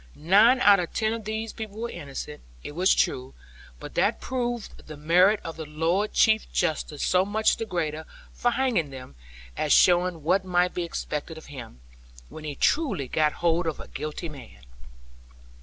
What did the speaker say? Nine out of ten of these people were innocent, it was true; but that proved the merit of the Lord Chief Justice so much the greater for hanging them, as showing what might be expected of him, when he truly got hold of a guilty man.